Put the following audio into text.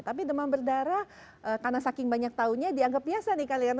tapi demam berdarah karena saking banyak tahunya dianggap biasa nih kalian